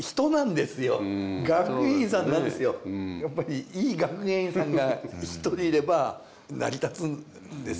やっぱりいい学芸員さんが１人いれば成り立つんですよね。